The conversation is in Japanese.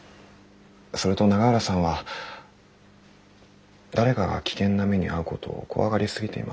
それと永浦さんは誰かが危険な目に遭うことを怖がり過ぎていませんか？